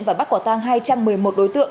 và bắt quả tang hai trăm một mươi một đối tượng